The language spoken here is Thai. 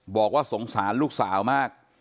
บอกว่าสงสารลูกสาวมาก